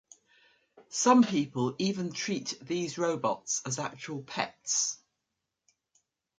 Some people even treat these robots as actual pets.